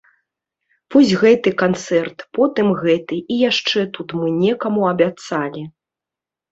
Вось гэты канцэрт, потым гэты, і яшчэ тут мы некаму абяцалі.